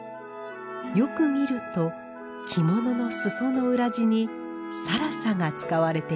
よく見ると着物の裾の裏地に更紗が使われています。